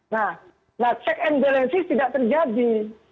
nah check and balances tidak terjadi